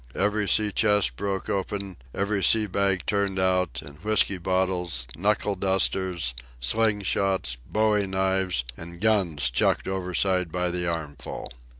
Every sea chest broke open, every sea bag turned out, and whiskey bottles, knuckle dusters, sling shots, bowie knives, an' guns chucked overside by the armful.